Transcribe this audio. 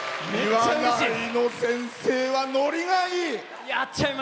岩内の先生はノリがいい。